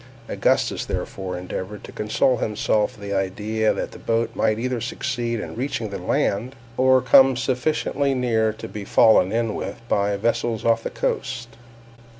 Augustus therefore endeavored to console himself with the idea that the boat might either succeed in reaching the land, or come sufficiently near to be fallen in with by vessels off the coast.